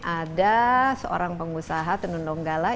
ada seorang pengusaha tenun donggala